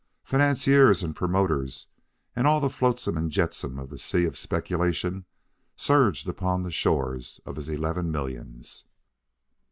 Financiers and promoters, and all the flotsam and jetsam of the sea of speculation surged upon the shores of his eleven millions.